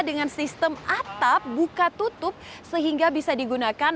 dengan sistem atap buka tutup sehingga bisa digunakan